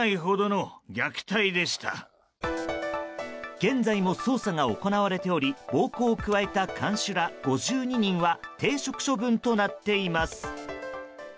現在も捜査が行われており暴行を加えた看守ら５２人は停職処分となっています。